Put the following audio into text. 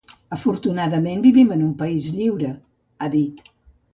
Afortunadament, vivim en un país lliure, ha dit.